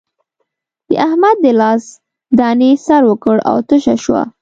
د احمد د لاس دانې سر وکړ او تشه شوه.